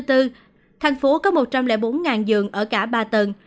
thành phố có một trăm linh bốn giường ở cả ba tầng